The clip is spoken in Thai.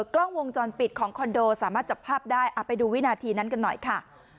กล้องวงจรปิดของคอนโดสามารถจับภาพได้ไปดูวินาทีนั้นกันหน่อยค่ะ